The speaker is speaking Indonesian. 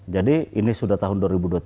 jadi ini sudah tahun dua ribu dua puluh tiga